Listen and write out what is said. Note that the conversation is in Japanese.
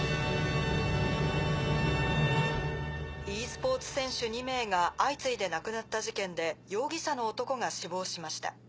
ｅスポーツ選手２名が相次いで亡くなった事件で容疑者の男が死亡しました。